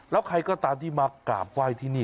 แล้วใครก็ตามที่มากราบไหว้ที่นี่